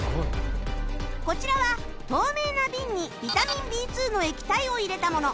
こちらは透明なビンにビタミン Ｂ２ の液体を入れたもの